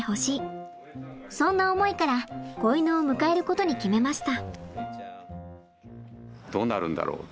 そんな思いから子犬を迎えることに決めました。